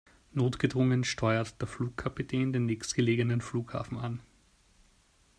Notgedrungen steuert der Flugkapitän den nächstgelegenen Flughafen an.